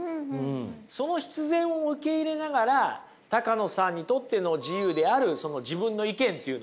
その必然を受け入れながら高野さんにとっての自由である自分の意見っていうのをね